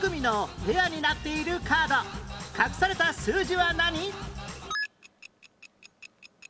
隠された数字は何？